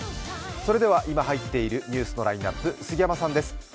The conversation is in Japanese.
それでは、今入っているニュースのラインナップ、杉山さんです。